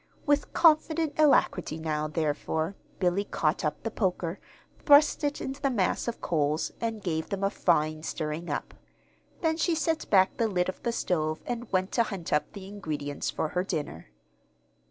With confident alacrity now, therefore, Billy caught up the poker, thrust it into the mass of coals and gave them a fine stirring up. Then she set back the lid of the stove and went to hunt up the ingredients for her dinner.